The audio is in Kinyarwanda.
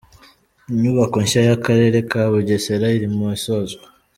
Inyubako nshya y’akarere ka Bugesera iri mu isozwa.